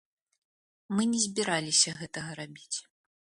Мы не збіраліся гэтага рабіць.